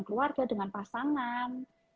keluarga dengan pasangan